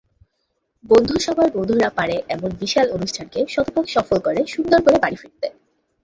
বন্ধুসভার বন্ধুরা পারে এমন বিশাল অনুষ্ঠানকে শতভাগ সফল করে, সুন্দর করে বাড়ি ফিরতে।